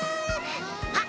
あっ！